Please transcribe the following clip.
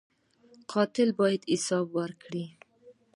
قاتل باید حساب ورکړي